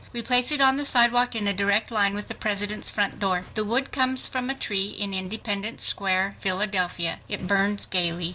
We place it on the sidewalk in a direct line with the President's front door. The wood comes from a tree in Independence Square, Philadelphia. It burns gaily.